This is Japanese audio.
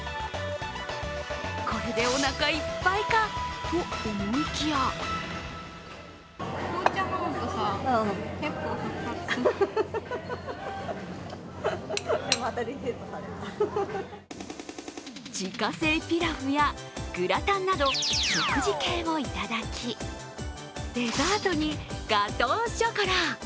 これでおなかいっぱいかと思いきや自家製ピラフやグラタンなど食事系をいただきデザートにガトーショコラ。